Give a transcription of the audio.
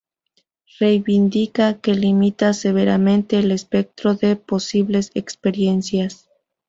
Reivindican que limita severamente el espectro de posibles experiencias.